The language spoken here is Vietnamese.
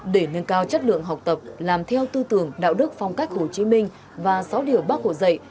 để nâng cao chất lượng học tập làm theo tư tưởng đạo đức phong cách hồ chí minh và sáu điều bác hồ dạy